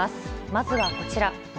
まずはこちら。